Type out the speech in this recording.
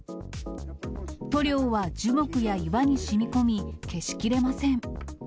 塗料は樹木や岩にしみこみ、消しきれません。